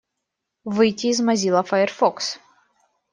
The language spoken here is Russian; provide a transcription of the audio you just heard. Выйти из Mozilla Firefox.